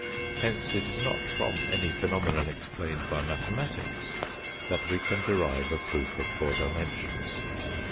Hence it is not from any phenomenon explained by mathematics that we can derive a proof of four dimensions.